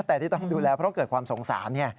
แต่ที่ต้องดูแลเพราะเกิดความสงสาร